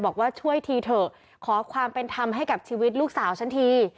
บอกว่าช่วยทีเถอะขอความเป็นธรรมให้กับชีวิตลูกสาวฉันที